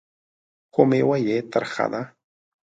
خو مېوه یې ترخه ده .